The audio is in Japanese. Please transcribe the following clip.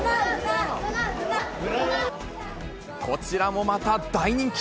こちらもまた大人気。